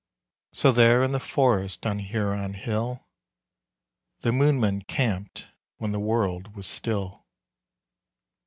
So there in the forest on HURON HILL The MOONMEN camped when the world was still....